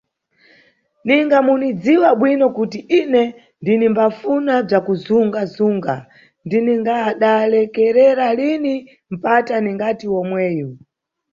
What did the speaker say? Ninga munidziwa bwino kuti ine ndinimbafuna bzakuzunga–zunga ndiningadalekerera lini mpata ningati omweyu.